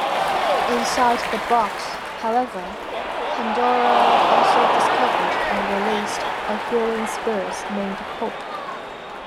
Inside the box, however, Pandora also discovered and released a healing spirit named Hope.